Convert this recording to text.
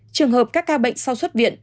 trường hợp các ca bệnh sau xuất viện